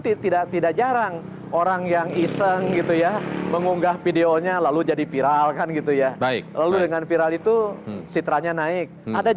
tidak tidak jarang orang yang iseng gitu ya mengunggah videonya lalu jadi viral kan gitu ya baik